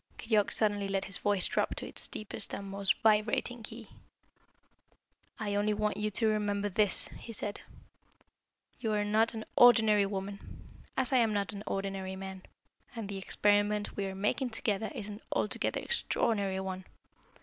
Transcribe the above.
Keyork suddenly let his voice drop to its deepest and most vibrating key. "I only want you to remember this," he said. "You are not an ordinary woman, as I am not an ordinary man, and the experiment we are making together is an altogether extraordinary one.